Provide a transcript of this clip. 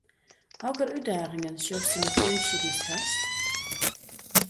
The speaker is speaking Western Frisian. Hokker útdagingen sjochst yn ’e funksje dy’tst hast?